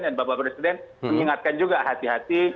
dan bapak presiden mengingatkan juga hati hati